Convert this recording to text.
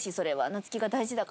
夏希が大事だから。